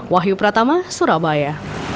wahyu pratama surabaya